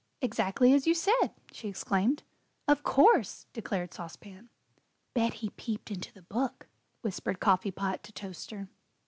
"Exactly as you said!" she exclaimed. "Of course!" declared Sauce Pan. "Bet he peeped into the book," whispered Coffee Pot to Toaster.